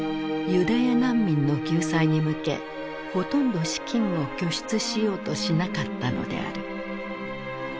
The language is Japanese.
ユダヤ難民の救済に向けほとんど資金を拠出しようとしなかったのである。